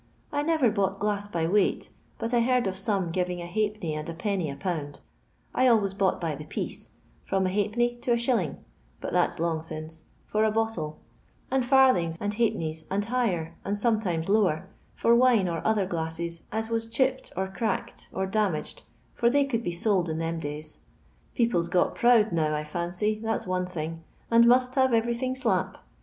I never bought glau by weight, but leard of some giving a hal^nny and a a pound. I always bought by the piece : mdQtenny to a shilling (but that's long or a bottle ; and farthings and halfpennies, her and sometimes lower, for wine and other as was chipped or cracked, or damaged, for aid be sold in them days. People's got proud frney that's one thing, and must have every ap.